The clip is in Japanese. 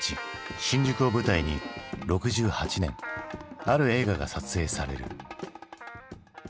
新宿を舞台に６８年ある映画が撮影される。